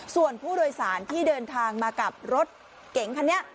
ส่วนผู้โดยสารที่เดินทางมากับรถเก๋งคันนี้